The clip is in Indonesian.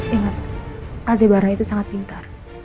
ingat pak aldebaran itu sangat pintar